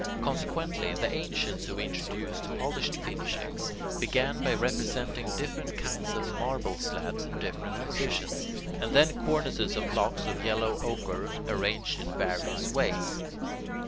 Consequently the ancients who introduced polished finishings began by representing different kinds of marble slabs in different positions, and then cornices and blocks of yellow ochre arranged in various ways.